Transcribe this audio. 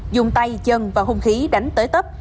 dùng tay chân và hung khí đánh tới tấp